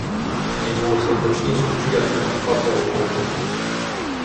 "Nie było serdeczniejszych przyjaciół nad Pawła i Piotra."